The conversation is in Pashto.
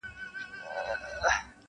• وېل سینه کي به یې مړې ډېوې ژوندۍ کړم,